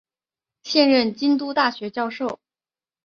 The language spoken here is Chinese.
现任京都大学教授。